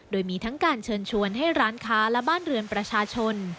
โดยมีทั้งการเชิญชวนให้ร้านค้าและบ้านเรือนประชาชน